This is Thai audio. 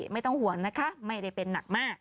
ไม่ต้องห่วงนะคะไม่ได้เป็นหนักมาก